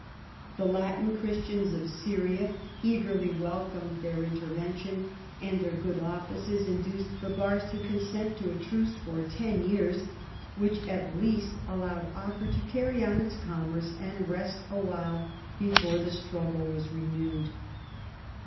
The Latin Christians of Syria eagerly welcomed their intervention, and their good offices induced Bibars to consent to a truce for ten years, which at least allowed Acre to carry on its commerce and rest awhile before the struggle was renewed.